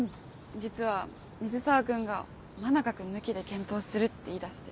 実は水沢君が真中君抜きで検討するって言いだして。